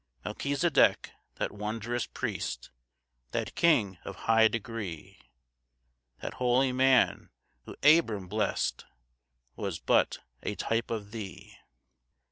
4 "Melchisedek, that wondrous priest, "That king of high degree, "That holy man who Abr'am blest, "Was but a type of thee."